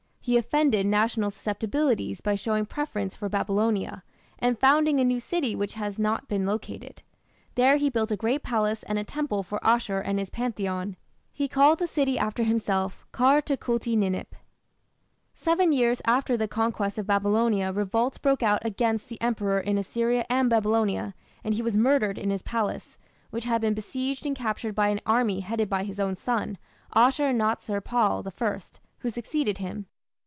He offended national susceptibilities by showing preference for Babylonia, and founding a new city which has not been located. There he built a great palace and a temple for Ashur and his pantheon. He called the city after himself, Kar Tukulti Ninip. Seven years after the conquest of Babylonia revolts broke out against the emperor in Assyria and Babylonia, and he was murdered in his palace, which had been besieged and captured by an army headed by his own son, Ashur natsir pal I, who succeeded him.